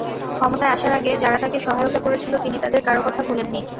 ক্ষমতায় আসার আগে যারা তাঁকে সহায়তা করেছিল, তিনি তাদের কারও কথা ভোলেননি।